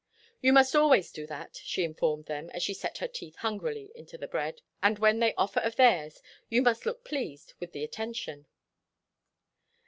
"You must always do that," she informed them, as she set her teeth hungrily into the bread, "and when they offer of theirs you must look pleased with the attention."